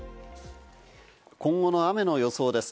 今後の雨の予想です。